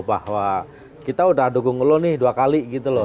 bahwa kita udah dukung lo nih dua kali gitu loh